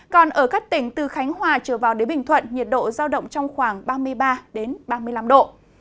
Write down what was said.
còn ở các tỉnh từ khánh hòa trở vào đến bình thuận nhiệt độ giao động trong khoảng ba mươi ba ba mươi năm độ